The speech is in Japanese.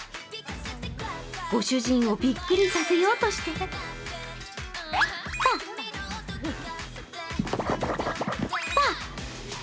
ご主人をびっくりさせようとして、パッ、パッ！